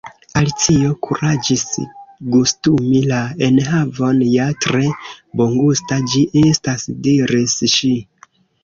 Alicio kuraĝis gustumi la enhavon. "Ja, tre bongusta ĝi estas," diris ŝi.